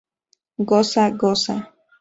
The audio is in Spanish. Goza, goza.